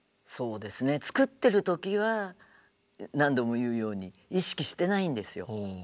作ってる時は何度も言うように意識してないんですよ。